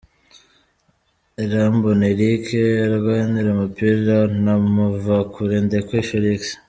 Irambona Eric arwanira umupira na Muvakure Ndekwe Felix.